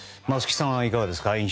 松木さんはいかがですか？